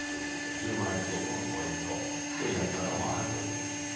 １０万円相当のポイントというそういうやり方もあるということです。